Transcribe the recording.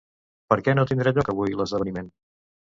Per què no tindrà lloc avui l'esdeveniment?